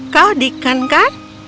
kau deacon kan